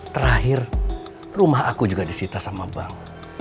terakhir rumah aku juga disita sama bank